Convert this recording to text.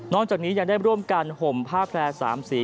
จากนี้ยังได้ร่วมกันห่มผ้าแพร่๓สี